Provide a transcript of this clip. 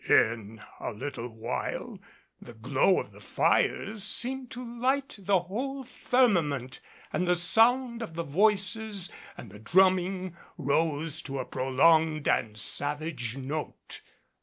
In a little while the glow of the fires seemed to light the whole firmament and the sound of the voices and the drumming rose to a prolonged and savage note.